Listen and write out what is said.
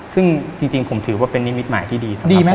ซึ่งจริงผมถือว่าเป็นนิตมิตรหมายที่ดี